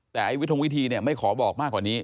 แต่ไอ้วิทงวิธีเนี่ยไม่ขอบอกมากกว่านี้